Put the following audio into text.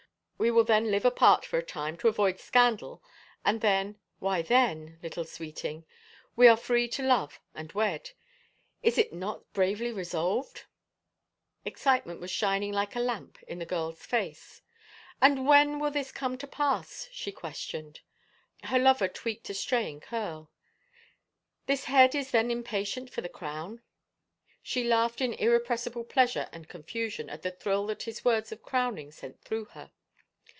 We will then live apart for a time to avoid scandal and then, why then,, little Sweeting, we are free to love and wed! Is it not bravely resolved ?" Excitement was shining like a lamp in the girl's face. " And when will this come to pass ?'* she questioned. Her lover tweaked a straying curl. " This head is then impatient for the crown?" She laughed in irrepressible pleasure and confusion at the thrill that his words of crowning sent through her.